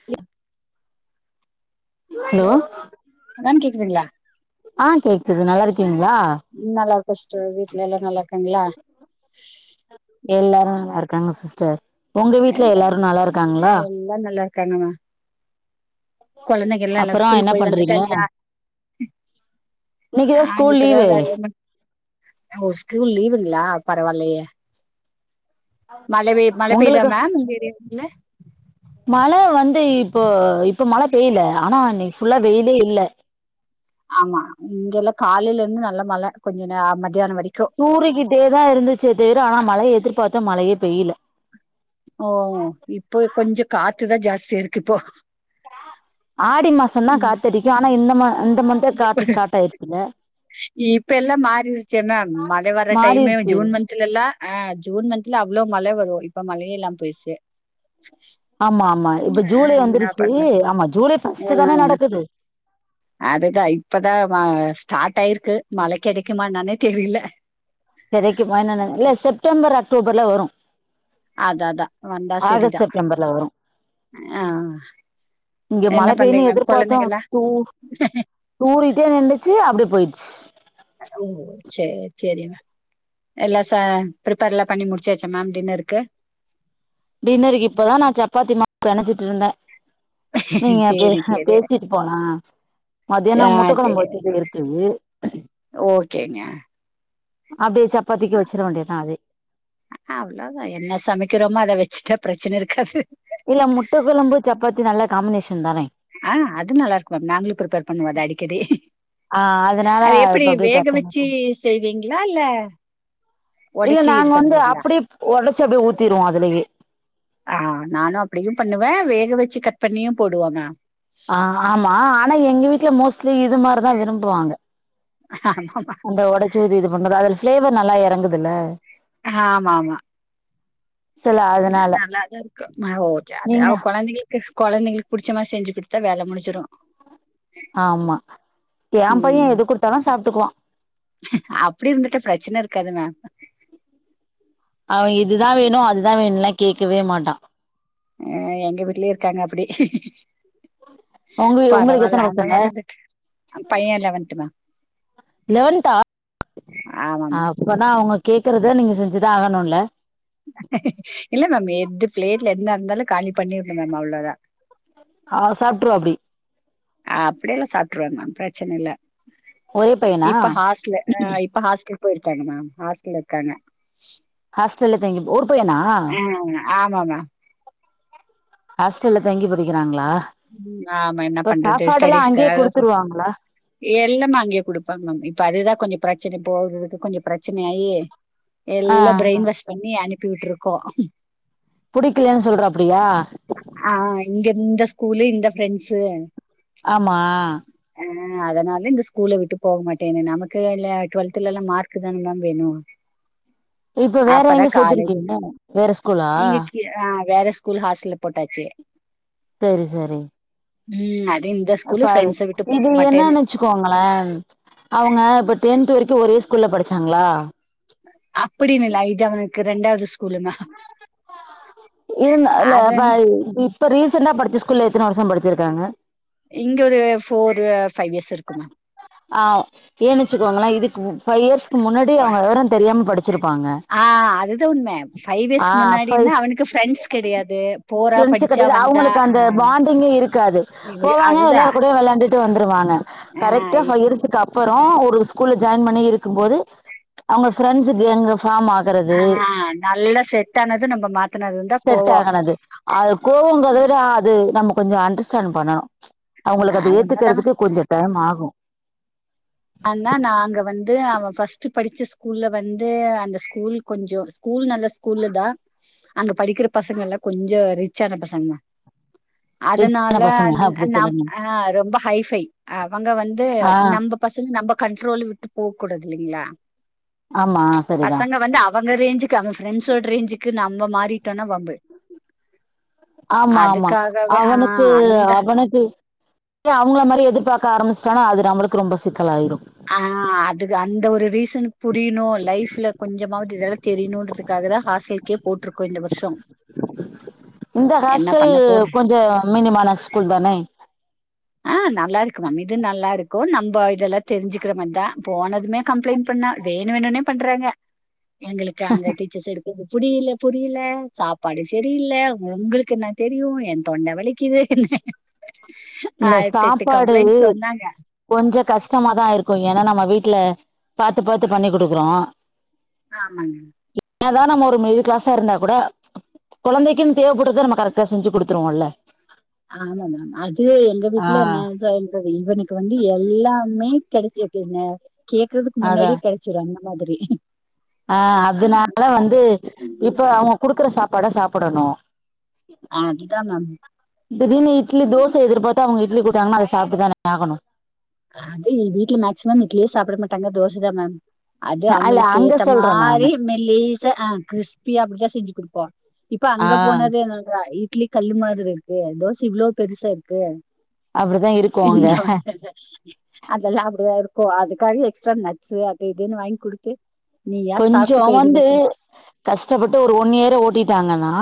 [unintelligible] Hello [unintelligible] கேக்குதுங்ளா ஆ கேக்குது நல்லாருக்கீங்ளா நல்லாருக்கே சிஸ்டர் வீட்ல எல்லா நல்லா இருக்காங்ளா எல்லாரு நல்லா இருக்காங்க சிஸ்டர் உங்க வீட்ல எல்லா எல்லாரு நல்லா இருக்காங்களா எல்லா நல்லா இருக்காங்கமா கொழந்தைங்க எல்லால்ல அப்பறோ ஸ்கூல் என்ன போய் பண்றீங்க வந்துட்டாங்ல்லா இன்னைக்குதா அ ஸ்கூல் இப்பதா லீவு [unintelligible] ஓ ஸ்கூல் லீவுங்களா பரவால்லையே மழவே மழ பெய்தா உங்களுக்கு மேம் உங்க ஏரியால மழ வந்து இப்போ இப்போ மழ பெய்ல ஆனா இன்னைக்கு ஃபுல்லா வெயிலே இல்ல ஆமா இங்கல்ல காலையிலருந்து நல்ல மழ கொஞ்சோ நேரமா தூறிக்கிட்டேதா இருந்துச்சு தவிர ஆனா மழைய எதுர்பாத்தோ மழையே பெய்ல ஓ இப்போ கொஞ்சோ காத்துதா ஜாஸ்தியா இருக்கு இப்போ ஆடி மாசந்தா ம், காத்தடிக்கு ஆனா இந்த மா இந்த மன்த்தே இப்ப காத்து ஸ்டார்ட் ஆயிருச்சுல்ல இப்ப எல்லா மாறிருச்சே மேம் மழ வர்ர டைமு மாறிருச்சு ஜூன் மன்த் லல்லா அ ஜூன் மன்த்ல அவ்ளோ மழ வரு இப்ப மழையே ஊல்லாம் பொயிருச்சு ஆமா ஆமா இப்ப ஜூலை வந்துருச்சு ஆமா ஜூலை ஃபஸ்ட்டூ தானே நடக்குது அதுதா இப்பதான் ஸ்டார்ட் ஆயிருக்கு மழ கெடைக்கும என்னனே தெரில கெடைக்குமா என்னென்னே இல்ல செப்டம்பர் அக்டோபர்ல வரு அத அத வந்தா ஆகஸ்ட் சரிதா செப்டம்பர்ல வரும் அ இங்க மழ பெய்னு எதிர்பாத்தோ தூ தூரிட்டே நின்னுச்சு அப்டியே பொய்ட்ச்சு ஓ சேரி சேரி மேம் எல்லா ச ப்ரிப்பேர்ல்லா பண்ணி முடிச்சாச்ச மேம் டின்ர்க்கு டின்ர்க்கு இப்பதா நா சப்பாத்தி மாவு பெனஞ்சிட்டு இருந்தே நீங்க பே சரி சரி பேசிட்டு போலா மத்தியானோ ஆ முட்டக்கொழம்பு சரி வச்சதே இருக்கு ஓகேங்க அப்டியே சப்பாத்திக்கு வச்சிட வேண்டியதா அதே அவ்ளோதா என்ன சமைக்கிறோமோ அத வச்சுட்டா பிரச்சன இருக்காது இல்ல முட்ட கொழம்பு சப்பாத்தி நல்லா காம்மினேஷன் தானே அ அது நல்லாருக்கு மேம் நாங்களு ப்ரிப்பேர் பண்ணுவோ அது அடிக்கடி ஆ அதனால அது எப்டி இப்ப அப்டியே வேக வச்சு டக்குனு செய்வீங்ளா இல்ல இல்ல உடைச்சு நாங்க இது வந்து பண்றீங்களா அப்டியே ஒடச்சுட்டு ஊத்திருவோ அதுலியே அ நானு அப்டியு பண்ணுவே வேக வச்சு கட் பண்ணியு போடுவ மேம் அ ஆமா ஆனா எங்க வீட்ல மோஸ்லி இது மாரிதா விரும்புவாங்க ஆமா அந்த ஒடச்சூ ஊதாதி இது பண்றது அதுல பிளேவர் நல்லா எறங்குதுல்ல ஆமா ஆமா சில அதனால நல்லாதா இருக்கு நீங்க ககொழந்தைங்ளுக்கு புடிச்ச மாரி செஞ்சிக்குடுத்தா வேல முடிஞ்சிடு ஆமா எ பைய எது குடுத்தாலு சாப்ட்டுக்குவா அப்படி இருந்துட்டா பிரச்சன இருக்காது மேம் அவ இதுதா வேணு அதுதா வேணுன்லா கேட்கவே மாட்டா அ எங்க வீட்லயூ இருக்காங்க அப்படி உங்க உங்களுக்கு பரவால்ல எத்தன அந்த பசங்க மாரி இருந்துட் பைய லெவன்த்து மா லவன்த்தா ஆமா மேம் அப்பனா அவுங்க கேக்கறத நீங்க செஞ்சுதா ஆகணுல்ல இல்ல மேம் எது பிளேட்ல என்ன இருந்தாலு காலி பண்ணீருணு மேம் அவ்ளோதா ஆ சாப்ட்ருவா அப்டி அப்படியெல்லா சாப்ட்ருவா மேம் பிரச்சன இல்ல ஒரே பையனா இப்ப ஹாஸ்டலு அ இப்ப ஹாஸ்லுக்கு போயிருக்காங்க மேம் ஹாஸ்டல்ல இருக்காங்க ஹாஸ்டல்ல தங்கி ஒரு பையனா ஆ ஆமாங்க ஹாஸ்டல்ல தங்கி படிக்கறாங்களா ம். ஆமா என்ன இப்ப பண்றது? சாப்பாடுலா அங்கயே குடுத்துருவாங்களா எல்லாம அங்கேயே குடுப்பாங்க [unintelligible] இப்ப அதுதா கொஞ்சோ பிரச்சன போகுறதுக்கு கொஞ்ச பிரச்சனையாயி ஆ எல்லா பிரைன்வாஷ் பண்ணி அனுப்பி விட்ருக்கோ புடிக்கலன் சொல்றாப்படியா ஆ இங்க இந்த ஸ்கூல்லு இந்த ஃப்ரெண்ஸு ஆமா அ அதனால இந்த ஸ்கூல விட்டு போக மாட்டேன்னு நமக்கு இல்ல டுவெல்த்துல எல்லா மார்க்கு தான மேம் வேணு இப்ப வேற எங்க சேத்துருக்கீங்க வேற ஸ்கூலா ஆ வேற ஸ்கூல் ஹாஸ்டல்ல போட்டாச்சு செரி செரி ம் அதே இந்த இப்ப ஸ்கூலு அது ஃப்ண்ட்ஸ விட்டு போக இது மாட்டேன்னு என்னன்னு வச்சுக்கோங்களே அவங்க இப்ப டென்த் வரைக்கு ஒரே ஸ்கூல்ல படிச்சாங்களா அப்படின்னுல்ல இது அவனுக்கு ரெண்டாவது ஸ்கூலுங்க இல்லல்ல அதன [inaudible] இப்ப ரீசண்ட்டா படிச்ச ஸ்கூல்ல எத்தன வருஷோ படிச்சிருக்காங்க இங்க ஒரு ஃபோர்ரு ஃபைவ் இயர்ஸ் இருக்கு மேம் ஆ ஏன் வெச்சுக்கோங்களே இதுக்கு பைவ் இயர்ஸ் முன்னாடி மேம். அவங்க விவரோ தெரியாம படிச்சிருப்பாங்க ஆ அதுதான் ஆ பைவ் க்கு ஃப்ரெண்ட்ஸ் கெடையாது போறா, ப்ரெண்ட்ஸ்ஸ படிச்சா, கட்டது வந்தா அவுங்களுக்கு ஆ அந்த பாண்டிங்கே இருக்காது இது போவாங்க எல்லாரு அதுதான். கூடயு விளாண்டுட்டு வந்துவாங்க ஆ கரெக்ட்டா இப் பைவ் இயர்ஸு க ப்பறோ ஒரு ஸ்கூல்ல ஜாயின் பண்ணி இருக்கும் போது அவங்க ஃபிரண்ட்ஸு கேங்குங்க பாம் ஆ ஆ நல்லா செட் ஆனது நம்ப மாத்தனதுந்தா கோவோ அது அது கோவங்கத விட அது நம்ம கொஞ்சோ அண்டர்ஸ்டாண்ட் பண்ணணு ஆ அவுங்களுக்கு அது உண்மதாங்க. ஏத்துக்கறதுக்கு கொஞ்சோ டைம் ஆகு அன்னா நாங்க வந்து அவ ஃபர்ஸ்ட் படிச்ச ஸ்கூல்ல வந்து அந்த ஸ்கூல் கொஞ்சோ ஸ்கூல் நல்ல ஸ்கூல்லு தா அங்க படிக்கற பசங்க எல்லா கொஞ்சோ ரிச்சான பசங்க அதனால ரிச்சான பசங்க ன் அப்டி நாம் சொல்லுங்க அ ரொம்ப ஹைஃபை அவங்க வந்து ஆ நம்ப பசங்க நம்ப கண்ட்ரோல விட்டு போவ் கூடாது இல்லிங்ளா ஆமா சரிதா பசங் க வந்து அவங்க ரேஞ்சுக்கு அவ ஃரெண்ட்ஸோட ரேஞ்சுக்கு நம்ம மாறிட்டோன்னா வம்பு ஆமா ஆமா அதுக்காகவே ஆ அவனுக்கு அந்த அவனுக்கு தே அவங்கள மாரியே எதிர்பார்க்க ஆரம்பிச்சிட்டானா அது நமளுக்கு ரொம்ப சிக்கலாயிரு ஆ அதுக்கு அந்த ஒரு ரீசனு புரியணு லைஃப்ல கொஞ்சமாவது இதெல்லா தெரியணும்ன்றதுக்காக தா ஹாஸ்டே கே போட்டிருக்கோ இந்த வருஷோம் இந்த ஹாஸ்டல் போறேன்? கொஞ்சோ மினிமான ஸ்கூல் தானே அ நல்லா இருக்கு மேம் இது நல்லா இருக்கு நம்போ இதெல்லா தெரிஞ்சுக்கிற மாதி தா போனதுமே கம்ப்ளைண்டட் பண்ண வேணு வேணுனே பண்றாங்க எங்களுக்கு அங்க டீச்சர்ஸ் எடு இது புடியில புரியல சாப்பாடு செரியல உங்களுக்குனா தெரியு எ தொண்டை வலிக்குது என்ன ஆயிதேட்டு கம்ப்ளைண்ட் சொன்னாங்க கொஞ்ச கஷ்டமாதா இருக்கு ஏன்னா நம்ம வீட்டுல பாத்து பாத்துப் பண்ணிக் குடுக்கறோ ஆமாங்க என்தா நம்ம ஒரு மிடில் கிளாஸா இருந்தாக் கூட கொழந்தைக்குன்னு தேவைப்பட்டத நம்ம கரக்ட செஞ்சு குடுத்துரோல்ல ஆமா மேம் அது எங்க ஆ வீட்டுல நா தா தோ இவனுக்கு வந்து எல்லாமே கிடைச்சக்கு கேக்குறதுக்கு அதா முன்னாடியே கெடை ச்சுரு அந்த மாதிரி ஆ அதனால வந்து இப்ப அவங்க குடுக்குற சாப்பாட சாப்பிடணு அதுதா மேம் திடீனு இட்லி தோசை எதிபார்த்தா அவுங்க இட்லி குடுத்தாங்கன்னா அத சாப்புட்டு தானே ஆகணு அது வீட்ல மேக்சிமம் இட்லியே சாப்பிட மாட்டாங்க தோசைதான் மேம் அது அல்ல அவங்களுக்கு அங்க ஏத்த சொல்றே மாரி நானு மெத் லேசா ஆ கிறிஸ்பி அபிடதா செஞ்சு குடுப்போ இப்ப ஆ அங்க போனது என்னவன்றா இட்லி கல்லு மாறு இருக்கு தோசை இவ்ளோ பெருசா இருக்கு அப்டிதா இருக்கு அங்க என்னா பண்றது அதெல்லா அப்டிதா இருக்கு அதுக்காக எக்ஸ்ட்ரா நட்ஸு அது இதுன்னு வாங்கி குடுத்து நீயா கொஞ்சோ சாப்புட்டுக்கோ எது வந்து வேணுமோ கஷ்டப்பட்டு ஒரு ஒன் இயரை ஓட்டிட்டாங்கன்னா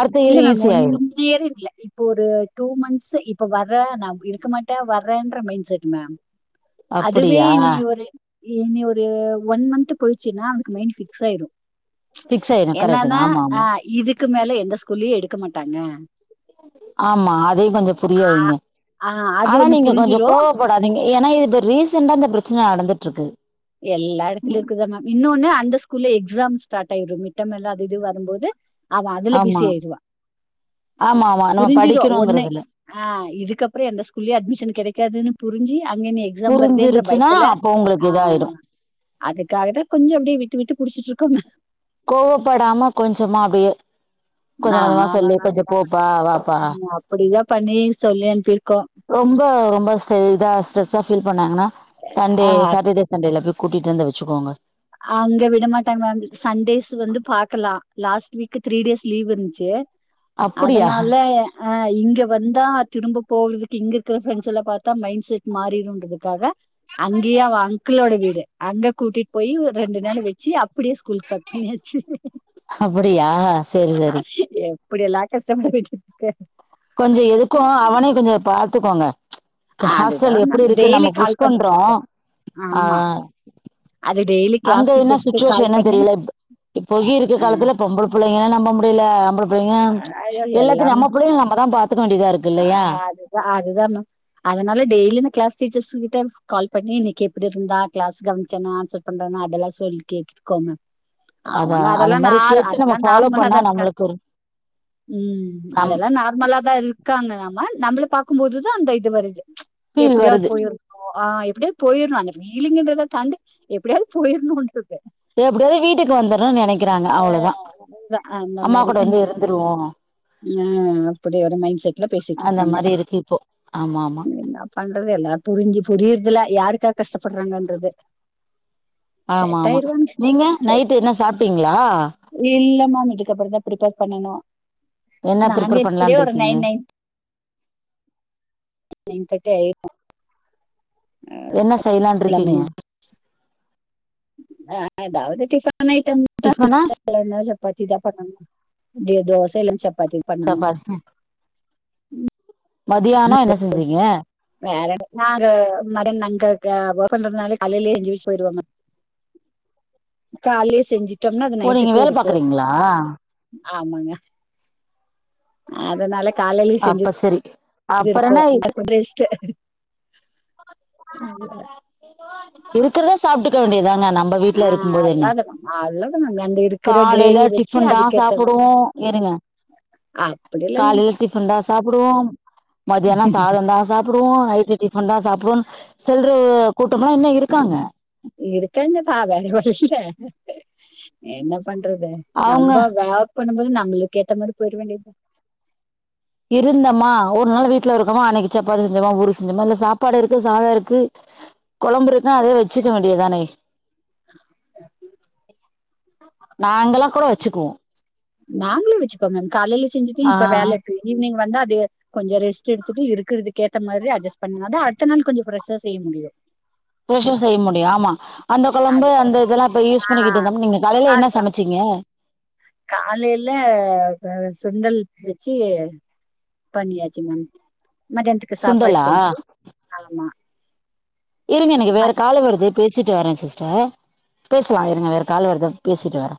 அடுத்த இயர் ஈஸி ஆயிரு கீர இருக்கில்ல இப்போ ஒரு டூ மான்ஸ் இப்ப வர்றே நா இருக்க மாட்டே வர்றேன்ற மைண்ட் செட் மேம் அதுவே அப்டியா இனி ஒரு இனி ஒரு ஒன் மன்ந்த் போயிச்சுன்னா அவனுக்கு மைண்ட் ஃபிக்ஸ் ஆயிரும் ஃபிக்ஸ் ஆயிரு கரெக்ட் தா என்னன்னா ஆமா ஆமா அ இதுக்கு மேல எந்த ஸ்கூல்லயு எடுக்க மாட்டாங்க ஆமா அதையு கொஞ்ச புரிய ஆ வைங்க ஆ அது ஆனா ஒண்ணு நீங்க கொஞ்ச கோ புரிஞ்சிரும். போடாதீங்க ஏன்னா இது இப்ப ரீசெண்டா இந்த பிரச்சனை நடந்துட்டு இருக்கு எல்லா எடத்துலு இருக்குதமா இன்னொன்னு அந்த ஸ்கூல்ல எக்ஸாம் ஸ்டார்ட் ஆய்ரு மிட்டமெல்லா அது இது வரும் போது அவ அதுல பிசி ஆமா ஆயடுவா ஆமா ஆமா நம்ம புரிஞ்சிருவா ஒண்ணே படிக்கணுங்கிறதுல ஆ இதுக்கப்புறோ எந்த ஸ்கூல்லையு அட்மிஷ கிடைக்காதுன்னு புரிஞ்சு அங்க நீ எக்ஸாம் வர்தேன்ற புரிஞ்சிருச்சுன்னா பைத்தல அப்போ ஆ உங்களுக்கு இதாயிடு அதுக்காக தா கொஞ்சோ அப்டியே விட்டு விட்டு புடிச்சிட்டு இருக்கோ கோவப்படாம கொஞ்சமா அப்டியே கொஞ்ச நான் கொஞ்சமா சொல்லி கொஞ்சம் போப்பா வாப்பா அப்டிதா பண்ணி சொல்லி அனுப்பிருக்கோ ரொம்ப ரொம்ப ஸ் இதா ஸ்ட்ரெஸ்ஸா ஃபீல் பண்ணாங்கன்னா சண்டே ஆ, சாட்டர்டே சண்டேல போ கூட்டிட்டு வந்து வெச்சுக்கோங்க அங்க விட மாட்டாங்க மேம் சண்டேஸ் வந்து பாக்கலா last week three days leave இருந்துச்சு அப்டியா அதனாலே ஆ இங்க வந்தா திரும்ப போகிறதுக்கு இங்க இருக்கிற ஃப்ரெண்ட்ஸ் எல்லா பாத்தா மைண்ட் செட் மாறிடுன்றதுக்காக அங்கயே அவ அங்க்குளோட வீடு அங்க கூட்டிட்டு போய் ஒரு ரெண்டு நாளு வச்சு அப்படியே ஸ்கூல் பேக் பண்ணியாச்சு யா சரி சரி எப்படி எல்லா கஷ்டப்பட்டு கொஞ்ச எதுக்கு அவனே கொஞ்ச பாத்துக்கோங்க ஹாஸ்டல் அதுதான் எப்படி இருக்கு நம்ம டெய்லி கால் பண்ணிட்டு புஷ்கொண்றோ இருக்கோம் ஆ ஆமா அது டெய்லி கிளாஸ் அங்க என்ன டீச்சர்ஸ்க்கு சுச்சுவேஷன் கால் என்னு பண்ணி தெரியல பொகி இருக்க ஆ காலத்துல பொம்பளப் பிள்ளைங்கள நம்ப முடியல ஆம்பளை பிள்ளைங்க ஐயோ எல்லாத்தையு எல்லாமே நம்ம பிள்ளைங்க நம்மதா பாத்துக்க வேண்டியதா இருக்கு இல்லையா அ அதுதானா அதனால டெய்லி இந்த க்ளாஸ் டீச்சர்ஸ் கிட்ட கால் பண்ணி இன்னைக்கு எப்படி இருந்தா க்ளாஸ் கவனச்சானா ஆன்சர் பண்றா அதெல்லா சொல்லி கேட்டுருக்கோம அத அவங்க அது அதெல்லா மாரி கேட்டு நம்ம அதெல்லா ஃபாலோ நார்மலா பண்ணா தா இருக்கா நம்மளுக்கு ஒரு ம் நம் அதெல்லா நார்மலா தா இருக்காங்க நாம நம்மள பாக்கும் போதுதா அந்த இது வருது ஃபீல் எப்படியாவது வருது போயிரு ஓ ஆ எப்படியாவது போயிறணு அந்த பீலிங்கன்றத தாண்டி எப்படியாவது போயிடணும்ன்றது எப்படியாவது வீட்டுக்கு வந்துறணுனு நெனைக்கிறாங்க ஆ அவ்வளவுதா அந்த அம்மா மாரி கூட வந்து இருந்துருவோ ஆ அப்படி ஒரு மைண்ட் செட்ல பேசிட்டு அந்த இருக்காங்க மாரி இருக்கு இப்போ ஆமா ஆமா பண்றது எல்லா புரிஞ்சு புரியறதுல யாருக்கா கஷ்டப்படுறாங்கன்றது ஆமா செட் ஆமா ஆயிருவாங்க நீங்க செ- நைட்டு என்ன சாப்ட்டீங்களா இல்ல மேம் இதுக்கப்பறந்தா பிர்ப்பேர் பண்ணனு என்ன நாங்க ப்ரிப்பேர் இப்படியோ பண்லான்ட்டு ஒரு இருக்கீங்க நைன் நைன் என் [inaudible] கட்ட ஐ என்ன செய்யலான்ருக்கீங்க ஆ அதாவது டிபன் ஐட்டம் டிஃபனா [inaudible] சப்பாத்திதா பண்ணனு டியோ தோசை எல்லா சப்பாத்தி பண்ணணு சப்பாத்தி மதியானோ என்ன செஞ்சீங்க வேற என்ன நாங்க மட நாங்ககு கோபர்தனாலே கலையில எஞ்சி விஷ் போயிடுவாங்க காலையே செஞ்சிட்டோம்னா அது ஓ நீங்க நைட்டுக்கூ வேல இருக்கூ பாக்குறீங்களா ஆமங்க அதனால காலையில செஞ்சி அப்ப செரி எங்க இருக்கோ இந்த கொஞ்சொ ரெஸ்ட்டு அதுவுல்ல இருக்கறத சாப்டுக்க வேண்டிய தானே நம்ம வீட்ல இருக்கும் போது என்ன அல்லது நம்ம எங்க இருக் காலையில டிபன் தா சாப்புடுவோ இருங்க அப்படி இல்ல இல்லைங்க காலையில டிபன் தா சாப்புடுவோம் மதியானோ சாதந்தா சாப்புடுவோ ஐ டி டிபன் தா சாப்புடுன் செல்றோ கூட்டம்லா இன்னு இருக்காங்க இருக்காங்க தா வேற ஒன்னுயில்ல என்ன பண்றது அவங்க நம்ப வேர் பண்ணும்போது நம்பளுக்கு ஏத்த மாரி போயிடுவேண்டிதா இருந்தமா ஒரு நாள் வீட்ல இருக்கோமா அனைக்கி சப்பாத்தி செஞ்சோமா ஊரு செஞ்சோமா இல்ல சாப்பாடு இருக்கு சாத இருக்கு கொழம்பு இருக்கு அதே வெச்சிக்க வேண்டியதானே நாங்கல்லா கூட வெச்சிக்குவோ நாங்களு வெச்சிப்போங்க காலையில செஞ்சிட்டு இப்ப வேல ஆ இருக்கு ஈவினிங் வந்த அப்டே கொஞ்ச ரெஸ்ட் எடுத்துட்டு இருக்கறதுக்கு ஏத்த மாரி அட்ஜஸ்ட் பண்ணனா அடுத்த நாள் கொஞ்ச ஃப்ரெஷா செய்ய முடியு புதுசா செய்ய முடியு ஆமா அந்த கொழம்பு அதுக்காக அந்த இதெல்லா இப்ப யூஸ் பண்ணிக்கிட்டு ஆஹ் இருந்த நீங்க காலையில என்ன சமச்சிங்க காலையில சுண்டல் வெச்சி பண்ணியாச்சி மேம் மதியானத்துக்கு சாப்பாடு சுண்டலா செஞ்சி ஆமா இருங்க எனக்கு வேற மதியம் காலு வருது பேசிட்டு வரே சிஸ்டர் பேசலா இருங்க வேற காலு வருது பேசிட்டு வரே